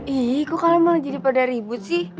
ih kok kalian mau jadi pada ribut sih